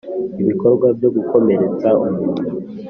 ibikorwa byo gukomeretsa umuntu